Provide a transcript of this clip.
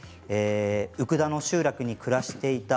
宇久田の集落に暮らしていた